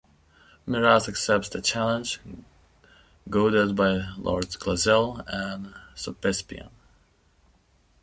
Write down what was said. Miraz accepts the challenge, goaded by Lords Glozelle and Sopespian.